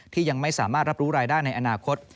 ยังไม่สามารถรับรู้รายได้ในอนาคต